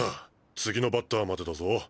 次のバッターまでだぞ。